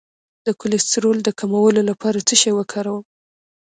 د کولیسټرول د کمولو لپاره څه شی وکاروم؟